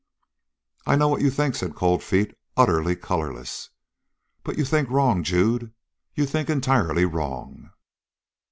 "I know what you think," said Cold Feet, utterly colorless, "but you think wrong, Jude. You think entirely wrong!"